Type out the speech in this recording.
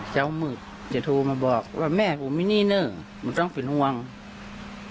เดี๋ยวจะโทย์มันแม่คนด้านนี้นะ